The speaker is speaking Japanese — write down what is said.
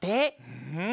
うん！